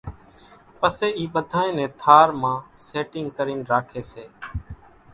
پسي اِي ٻڌانئين نين ٿار مان سيٽيگ ڪرين راکي سي۔